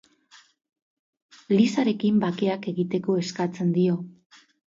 Lisarekin bakeak egiteko eskatzen dio.